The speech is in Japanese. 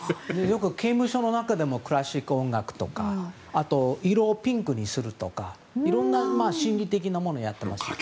よく刑務所の中でもクラシック音楽とかあと、色をピンクにするとかいろんな心理的なものをやっていますね。